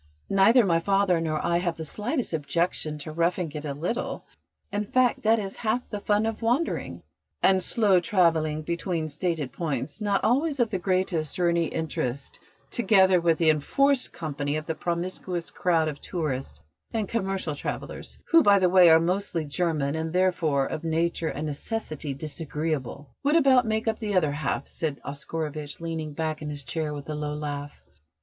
"Neither my father nor I have the slightest objection to roughing it a little. In fact, that is half the fun of wandering." "And slow travelling between stated points, not always of the greatest or any interest, together with the enforced company of a promiscuous crowd of tourists and commercial travellers, who, by the way, are mostly German, and therefore of nature and necessity disagreeable, would about make up the other half," said Oscarovitch, leaning back in his chair with a low laugh.